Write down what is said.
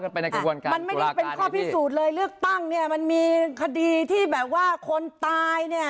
ไปในกระบวนการมันไม่ได้เป็นข้อพิสูจน์เลยเลือกตั้งเนี่ยมันมีคดีที่แบบว่าคนตายเนี่ย